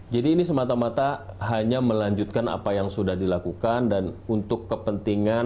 jadi ini semata mata hanya melanjutkan apa yang sudah dilakukan dan untuk kepentingan